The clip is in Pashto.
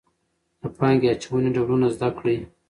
د پانګې اچونې ډولونه زده کړئ.